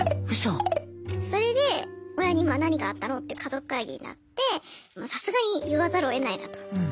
それで親に何があったの？って家族会議になってさすがに言わざるをえないなと。